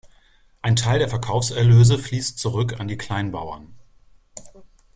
Ein Teil der Verkaufserlöse fließt zurück an die Kleinbauern.